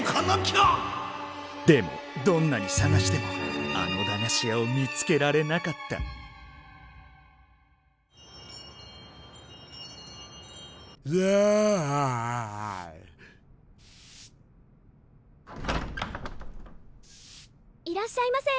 でもどんなに探してもあの駄菓子屋を見つけられなかったいらっしゃいませ。